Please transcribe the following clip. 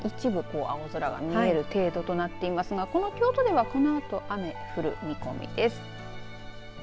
一部青空が見える程度となっていますがこの京都ではこのあと雨降る見込みです。